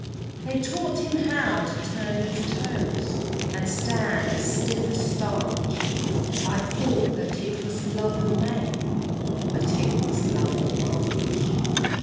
"They taught him how to turn his toes, And stand as stiff as starch; I thought that it was love and May, But it was love and March!